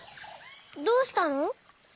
どうしたの？